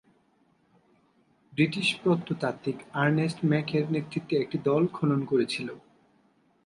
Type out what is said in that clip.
British প্রত্নতাত্ত্বিক Ernest ম্যাকের নেতৃত্বে একটি দল খনন করেছিল।